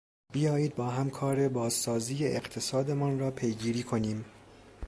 بیایید با هم کار بازسازی اقتصادمان را پیگیری کنیم.